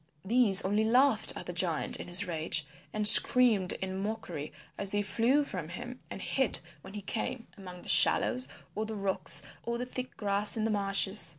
These only laughed at the giant in his rage and screamed in mockery as they flew from him and hid when he came, among the shallows or the rocks or the thick grass in the marshes.